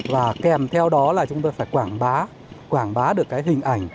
và kèm theo đó là chúng tôi phải quảng bá quảng bá được cái hình ảnh